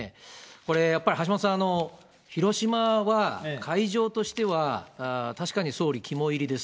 これ、やっぱり橋下さん、広島は会場としては、確かに総理肝いりです。